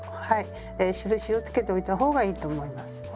はい印をつけておいた方がいいと思います。